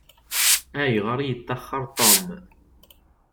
Ayɣer i yeṭṭaxxer Tom?